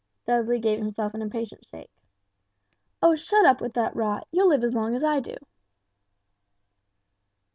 Dudley gave himself an impatient shake. "Oh, shut up with that rot, you'll live as long as I do!"